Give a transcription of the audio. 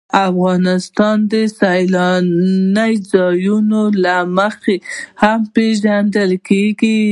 افغانستان د سیلاني ځایونو له مخې هم پېژندل کېږي.